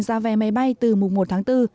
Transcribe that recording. giá vé máy bay từ mùng một tháng bốn